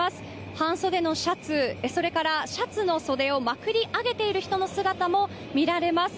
半袖のシャツ、それからシャツの袖をまくり上げている人の姿も見られます。